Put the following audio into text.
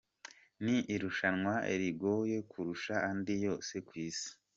Ni irushanwa rigoye kurusha andi yose ku Isi.